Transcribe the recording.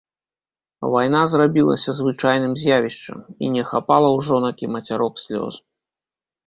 Вайна зрабілася звычайным з'явішчам, і не хапала ў жонак і мацярок слёз.